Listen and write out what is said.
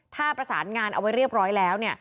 ถ้าประสานงานเอาไว้เรียบร้อยแล้วเนี่ย